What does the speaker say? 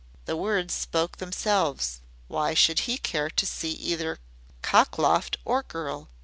The words spoke themselves. Why should he care to see either cockloft or girl?